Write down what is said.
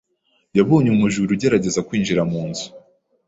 Yabonye umujura ugerageza kwinjira mu nzu.